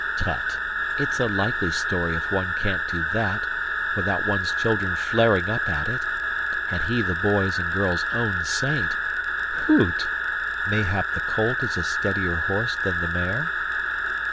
Tut! It's a likely story if one can't do that, without one's children flaring up at it and he the boys' and girls' own saint. Hoot! Mayhap the colt is a steadier horse than the mare?"